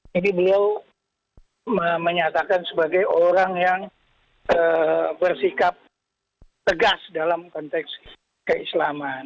jadi beliau menyatakan sebagai orang yang bersikap tegas dalam konteks keislaman